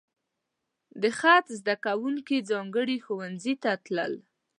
د خط زده کوونکي ځانګړي ښوونځي ته تلل.